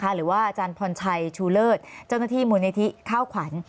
หรือว่าอจารย์พลนชัยชูเลอสเจ้าหน้าที่มูลนิติข้าวขวัญ